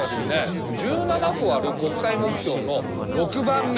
その１７個ある国際目標の６番目に取り組みます。